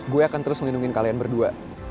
gue akan terus melindungi kalian berdua